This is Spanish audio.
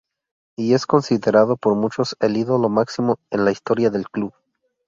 Y es considerado por muchos el ídolo máximo en la historia del club.